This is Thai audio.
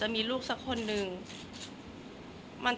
แต่ขวัญไม่สามารถสวมเขาให้แม่ขวัญได้